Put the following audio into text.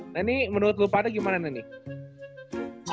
nah ini menurut lu pada gimana nih